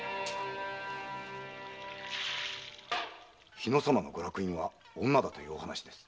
日野様のご落胤は女だという話です。